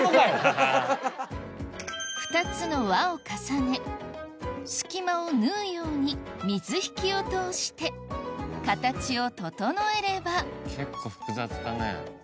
２つの輪を重ね隙間を縫うように水引を通して形を整えれば結構複雑だね。